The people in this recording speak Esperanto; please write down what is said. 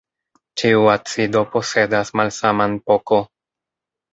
Ĉiu acido posedas malsaman pK.